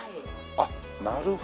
あっなるほど。